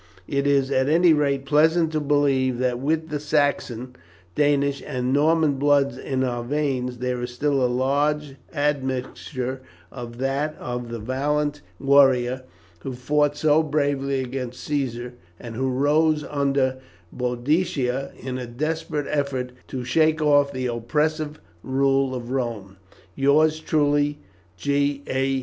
It is at any rate pleasant to believe that with the Saxon, Danish, and Norman blood in our veins, there is still a large admixture of that of the valiant warriors who fought so bravely against Caesar, and who rose under Boadicea in a desperate effort to shake off the oppressive rule of Rome. Yours truly, G. A.